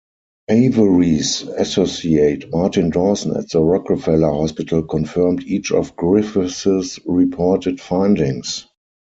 Avery's associate Martin Dawson at The Rockefeller Hospital confirmed each of Griffith's reported findings.